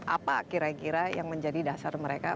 apa kira kira yang menjadi dasar mereka